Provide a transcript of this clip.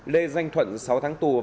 lê danh thuận sáu tháng tù